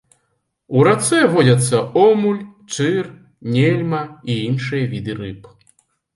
У рацэ водзяцца омуль, чыр, нельма і іншыя віды рыб.